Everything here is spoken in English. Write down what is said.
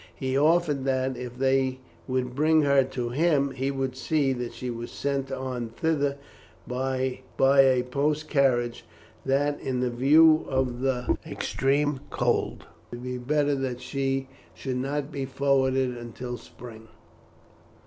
He offered that, if they would bring her to him, he would see that she was sent on thither by a post carriage, but that in view of the extreme cold it would be better that she should not be forwarded until the spring.